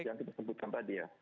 yang kita sebutkan tadi ya